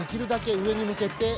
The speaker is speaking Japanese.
上に向けて。